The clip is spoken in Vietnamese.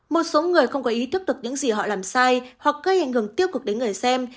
một số người không có ý thức được những gì họ làm sai hoặc gây ảnh hưởng tiêu cực đến người xem